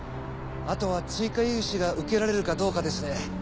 あとは追加融資が受けられるかどうかですね。